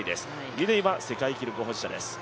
ギデイは世界記録保持者です。